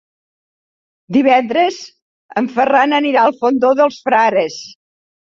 Divendres en Ferran anirà al Fondó dels Frares.